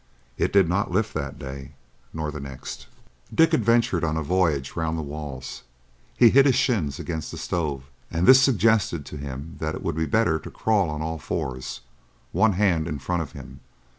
It did not lift that day, nor the next. Dick adventured on a voyage round the walls. He hit his shins against the stove, and this suggested to him that it would be better to crawl on all fours, one hand in front of him.